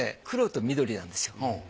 黒と緑なんですよ。